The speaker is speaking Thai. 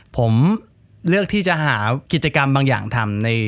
ผมเลือกที่จะหากิจกรรมบางอย่างทำ